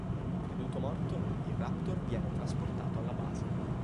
Creduto morto, il raptor viene trasportato alla base.